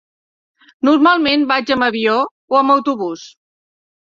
Normalment vaig amb avió o amb autobús.